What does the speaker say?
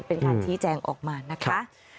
เป็นการชี้แจงออกมานะคะ